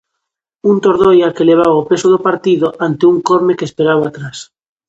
Un Tordoia que levaba o peso do partido ante un Corme que esperaba atrás.